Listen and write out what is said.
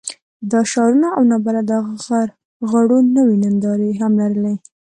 دا د شعارونو او نابلده غرغړو نوې نندارې هم لرلې.